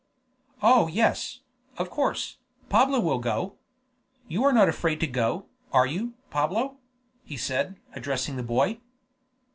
"Oh yes, of course, Pablo will go. You are not afraid to go, are you, Pablo?" he said, addressing the boy.